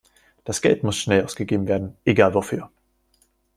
Das Geld muss schnell ausgegeben werden, egal wofür.